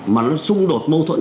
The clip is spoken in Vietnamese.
mà nó xung đột mâu thuẫn